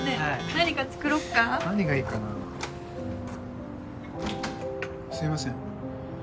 何か作ろっか何がいいかなすいません